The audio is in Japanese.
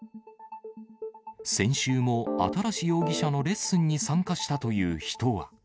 先週も新容疑者のレッスンに参加したという人は。